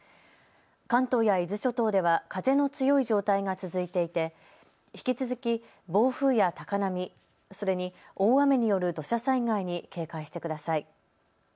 関東や伊豆諸島では風の強い状態が続いていて引き続き暴風や高波、それに大雨による土砂災害に警戒してください。